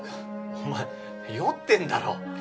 お前酔ってんだろ。